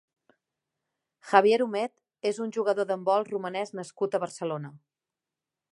Javier Humet és un jugador d'handbol romanès nascut a Barcelona.